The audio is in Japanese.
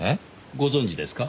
ご存じですか？